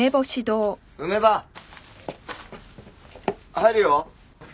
入るよ？